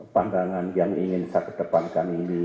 pandangan yang ingin saya kedepankan ini